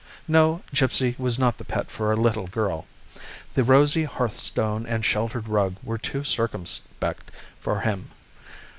No; Gipsy was not the pet for a little girl. The rosy hearthstone and sheltered rug were too circumspect for him.